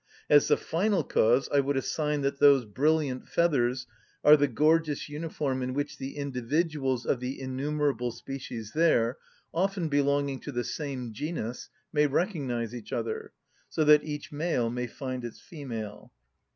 As the final cause I would assign that those brilliant feathers are the gorgeous uniform in which the individuals of the innumerable species there, often belonging to the same genus, may recognise each other; so that each male may find his female.